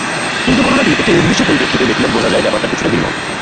কিন্তু ঘটনাটি একটি নির্দিষ্ট পরিপ্রেক্ষিতে দেখলে বোঝা যায়, ব্যাপারটা কিছুটা ভিন্ন।